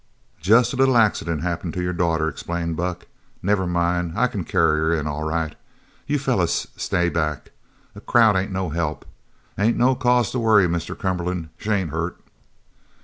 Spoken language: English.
"Jest a little accident happened to your daughter," explained Buck. "Never mind. I c'n carry her in all right. You fellers stay back. A crowd ain't no help. Ain't no cause to worry, Mr. Cumberland. She ain't hurt!"